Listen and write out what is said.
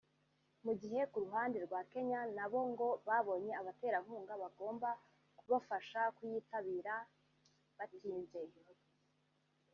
mu gihe ku ruhande rwa Kenya na bo ngo babonye abaterankunga bagomba kubafasha kuyitabira batinze